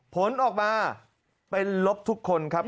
ผลออกมาเป็นลบทุกคนครับ